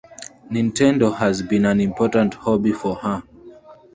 Nintendo has been an important hobby for her.